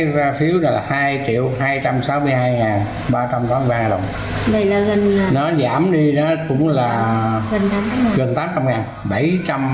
gần tám trăm linh ngàn bảy trăm ba mươi ngàn và một mươi năm ngày